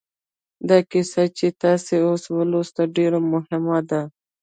دا کیسه چې تاسې اوس ولوسته ډېره مهمه ده